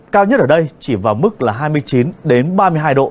cao nhất ở đây chỉ vào mức là hai mươi chín ba mươi hai độ